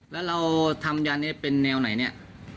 แล้วเราทำยันนี้เป็นแนวไหนเนี่ย